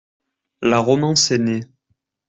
La romance est née.